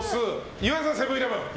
岩井さん、セブン‐イレブン。